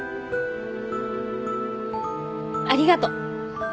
ありがと。